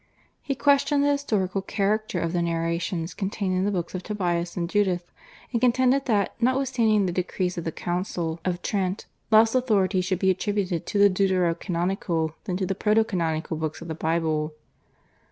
He questioned the historical character of the narrations contained in the books of Tobias and Judith, and contended that notwithstanding the decrees of the Council of Trent less authority should be attributed to the Deutero Canonical than to the Proto Canonical books of the Bible.